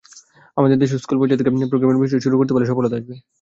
আমাদের দেশেও স্কুল পর্যায় থেকে প্রোগ্রামিংয়ের বিষয়টি শুরু করতে পারলে সফলতা আসবে।